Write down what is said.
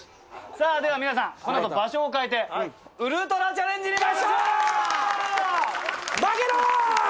では皆さんこの後場所を変えてウルトラチャレンジに参りましょう！